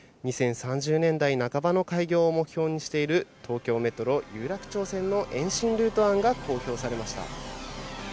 ２０３０年代半ばの開業を目標にしている東京メトロ有楽町線の延伸ルート案が公表されました。